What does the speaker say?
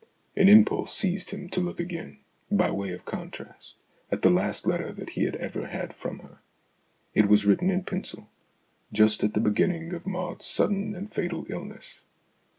An impulse seized him to look again, by way of contrast, at the last letter that he had ever had from her. It was written in pencil, just at the beginning of Maud's sudden and fatal illness.